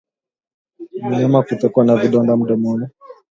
Mnyama kutokwa na vidonda mdomoni